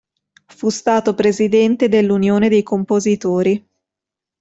Fu stato presidente dell'Unione dei Compositori.